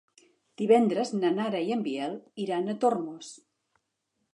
Divendres na Nara i en Biel iran a Tormos.